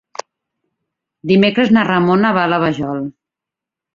Dimecres na Ramona va a la Vajol.